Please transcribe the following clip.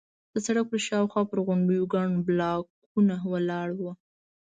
د سړک پر شاوخوا پر غونډیو ګڼ بلاکونه ولاړ وو.